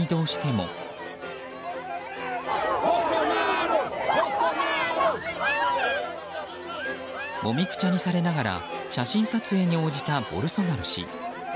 もみくちゃにされながら写真撮影に応じたボルソナロ氏。